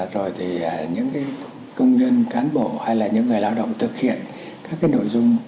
rồi thì những công nhân cán bộ hay là những người lao động thực hiện các cái nội dung